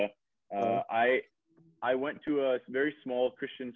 saya saya pergi ke kelas kecil kristian